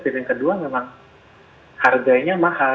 jadi yang kedua memang harganya mahal